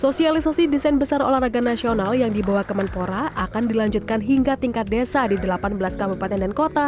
sosialisasi desain besar olahraga nasional yang dibawa ke menpora akan dilanjutkan hingga tingkat desa di delapan belas kabupaten dan kota